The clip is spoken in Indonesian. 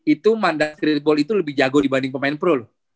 itu mandat streetball itu lebih jago dibanding pemain pro loh